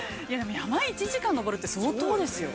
◆山１時間登るって、相当ですよ。